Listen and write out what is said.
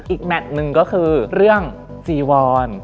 แมทหนึ่งก็คือเรื่องจีวอน